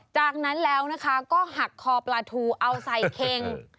จากนั้นแล้วนะคะก็หักคอปลาทูเอาใส่เค็ง